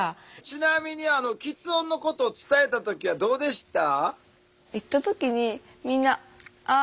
ちなみにきつ音のことを伝えた時はどうでした？